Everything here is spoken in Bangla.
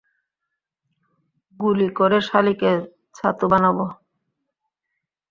গুলি করে শালীকে ছাতু বানাবো!